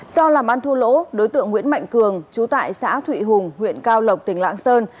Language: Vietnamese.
do làm ăn thua lỗ đối tượng nguyễn mạnh cường chú tại xã thụy hùng huyện cao lộc tỉnh lạng sơn